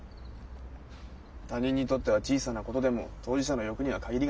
他人にとっては小さなことでも当事者の欲には限りがないってこと。